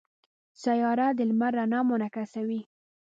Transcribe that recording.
سیاره د لمر رڼا منعکسوي.